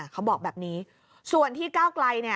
เขาบอกแบบนี้ส่วนที่ก้าวไกล